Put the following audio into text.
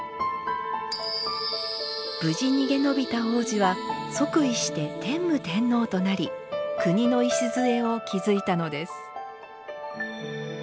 無事逃げ延びた皇子は即位して天武天皇となり国の礎を築いたのです。